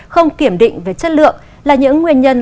không kiểm định về chất lượng là những nguyên nhân